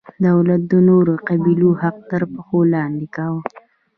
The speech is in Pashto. دولت د نورو قبیلو حق تر پښو لاندې کاوه.